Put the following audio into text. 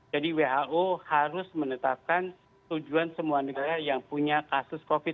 jadi who harus menetapkan tujuan semua negara yang punya kasus covid sembilan belas